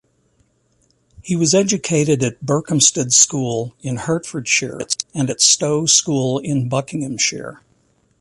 He was educated at Berkhamsted School in Hertfordshire and at Stowe School in Buckinghamshire.